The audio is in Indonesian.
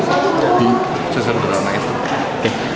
iya sesederhana itu